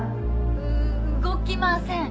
う動きません。